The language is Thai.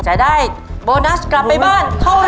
จะได้โบนัสกลับไปบ้านเท่าไห